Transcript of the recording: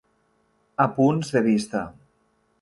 Apunts de vista.